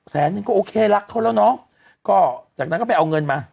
แสนนึงก็โอเครักเขาแล้วเนอะก็จากนั้นก็ไปเอาเงินมา